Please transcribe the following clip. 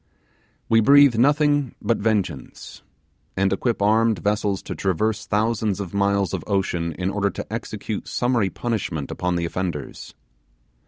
We breathe nothing but vengeance, and equip armed vessels to traverse thousands of miles of ocean in order to execute summary punishment upon the offenders.